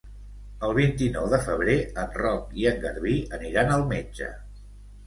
El vint-i-nou de febrer en Roc i en Garbí aniran al metge.